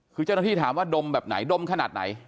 คือเจ้าหน้าที่ถามว่าดมแบบไหนดมขนาดไหน